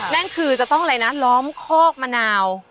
นั่นคือจะต้องอะไรนะล้อมคอกมะนาว